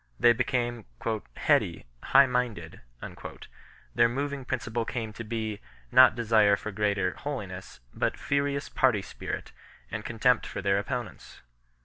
They became " heady, high minded "; their moving principle came to be, not desire for greater holi ness, but furious party spirit and contempt for their oppo nents.